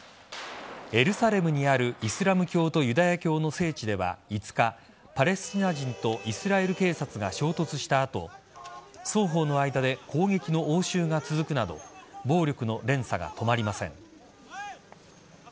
エルサレムにあるイスラム教とユダヤ教の聖地では５日パレスチナ人とイスラエル警察が衝突した後双方の間で攻撃の応酬が続くなど暴力の連鎖が止まりません。